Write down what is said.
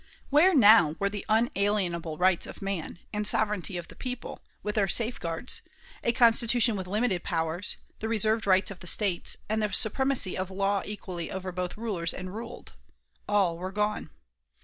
Where now were the unalienable rights of man, and sovereignty of the people, with their safeguards; a Constitution with limited powers, the reserved rights of the States, and the supremacy of law equally over both rulers and ruled? All were gone.